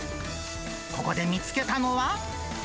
ここで見つけたのは。